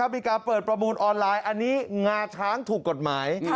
มีการเปิดประมูลออนไลน์อันนี้งาช้างถูกกฎหมาย